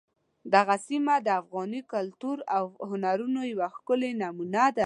دغه سیمه د افغاني کلتور او هنرونو یوه ښکلې نمونه ده.